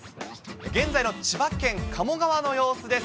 現在の千葉県鴨川の様子です。